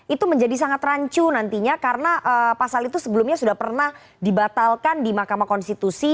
itu menjadi sangat rancu nantinya karena pasal itu sebelumnya sudah pernah dibatalkan di mahkamah konstitusi